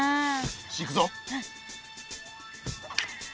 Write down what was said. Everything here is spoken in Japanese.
よしいくぞ。